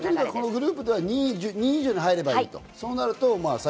グループで２位以上に入ればいんだね。